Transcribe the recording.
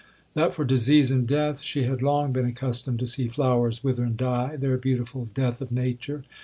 That for disease and death, she had long been accustomed to see flowers wither and die their beautiful death of nature.